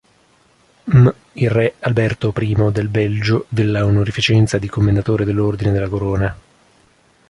M. il Re Alberto I del Belgio della onorificenza di Commendatore dell'Ordine della Corona.